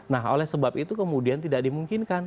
nah oleh sebab itu kemudian tidak dimungkinkan